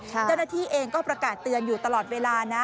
เจ้าหน้าที่เองก็ประกาศเตือนอยู่ตลอดเวลานะ